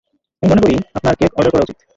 আমি মনে করি আপনার কেক অর্ডার করা উচিত।